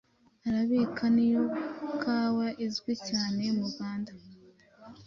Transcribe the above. Arabika ni yo kawa izwi cyane mu Rwanda